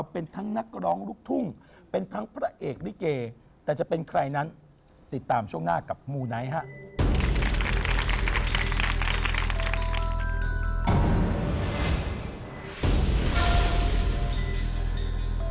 โปรดติดตามตอนต่อไป